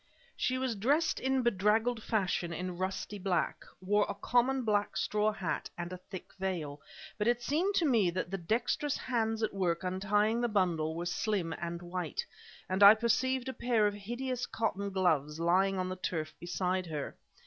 She was dressed in bedraggled fashion in rusty black, wore a common black straw hat and a thick veil; but it seemed to me that the dexterous hands at work untying the bundle were slim and white; and I perceived a pair of hideous cotton gloves lying on the turf beside her.